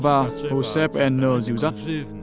và hồ sếp enner dưu dắt